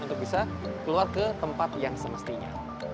untuk bisa keluar ke tempat yang semestinya